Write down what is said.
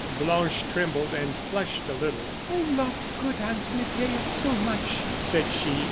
Blanche trembled, and flushed a little. "I love good Aunt Medea so much!" said she.